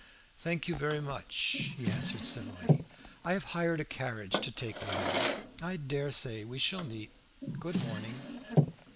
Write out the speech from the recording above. "Thank you very much," he answered civilly. "I have hired a carriage to take me there. I dare say we shall meet. Good morning."